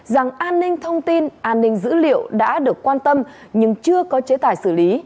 rằng an ninh thông tin an ninh dữ liệu đã được quan tâm nhưng chưa có chế tài xử lý